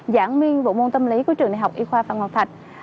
giảng viên bộ môn tâm lý của trường đại học y khoa phạm ngọc thạch